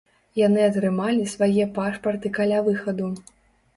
Яны атрымалі свае пашпарты каля выхаду.